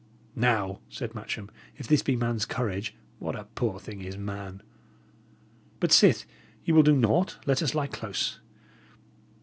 "Now," said Matcham, "if this be man's courage, what a poor thing is man! But sith ye will do naught, let us lie close."